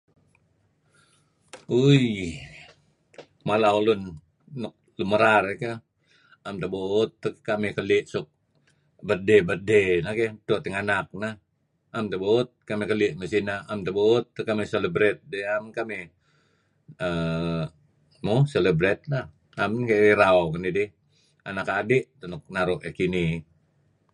Ooi mala ulun nuk lun merar keh, am tabuut teh kekamih keli' sik birthday birthday neh keh edto tinganak neh am tabuut kamih keli' sineh am tabuut teh kamih celebrate dih am kamih err mo celebrate lah am irau ngan idih anak adi ' teh nuk naru nuk kinih-kinih